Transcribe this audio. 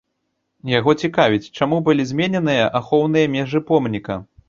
Яго цікавіць, чаму былі змененыя ахоўныя межы помніка.